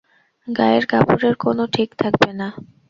গায়ের কাপড়ের কোনও ঠিক থাকবে না।